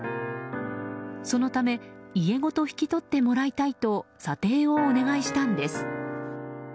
そのため家ごと引き取ってもらいたいと査定をお願いしたんです。